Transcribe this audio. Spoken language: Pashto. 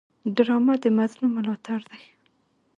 ډرامه د مظلوم ملاتړ ده